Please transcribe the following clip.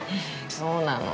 そうなの。